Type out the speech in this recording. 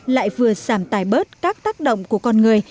lại vừa giảm tài bớt các tác động của con người